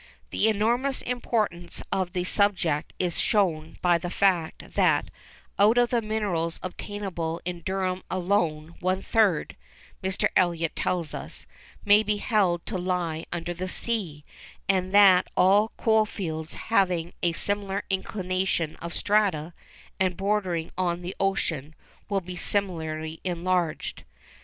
The enormous importance of the subject is shown by the fact that 'out of the minerals obtainable in Durham alone, one third,' Mr. Elliot tells us, 'may be held to lie under the sea, and that all coalfields having a similar inclination of strata, and bordering on the ocean, will be similarly enlarged.